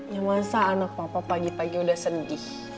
ya masa anak papa pagi pagi udah sedih